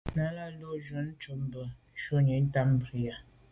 Náná lù gə́ sɔ̀ŋdə̀ ncúp bû shúnì tâm prǐyà.